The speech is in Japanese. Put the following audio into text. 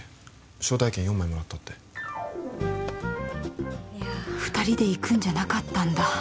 招待券４枚もらったっていや２人で行くんじゃなかったんだ